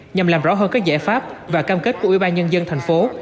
nhằm làm rõ hơn các giải pháp và cam kết của ubnd tp hcm